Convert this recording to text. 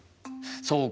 そうか。